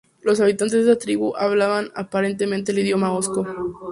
Los habitantes de esta tribu hablaban aparentemente el idioma osco.